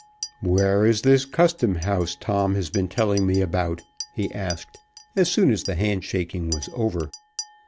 "Where is this custom house Tom has been telling me about?" he asked, as soon as the hand shaking was over.